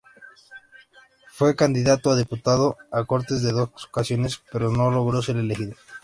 Fue candidato a diputado a Cortes en dos ocasiones, pero no logró ser elegido.